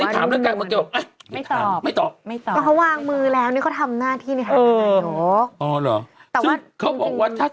ตราบใดที่ตนยังเป็นนายกอยู่